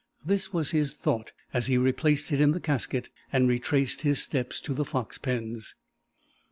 This was his thought as he replaced it in the casket and retraced his steps to the fox pens.